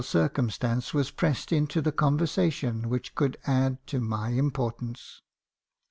246 circumstance was pressed into the conversation which could add to my importance.